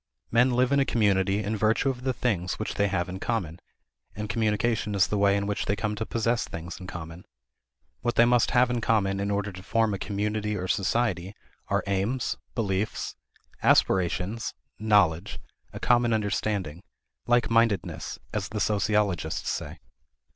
Men live in a community in virtue of the things which they have in common; and communication is the way in which they come to possess things in common. What they must have in common in order to form a community or society are aims, beliefs, aspirations, knowledge a common understanding like mindedness as the sociologists say.